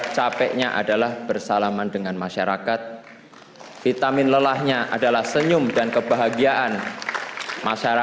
saya digembangkan mungkin ketika saya belajar